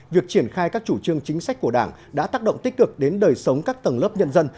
việc triển khai các chủ trương chính sách của đảng đã tác động tích cực đến đời sống các tầng lớp nhân dân